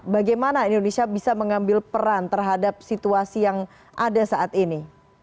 bagaimana indonesia bisa mengambil peran terhadap situasi yang ada saat ini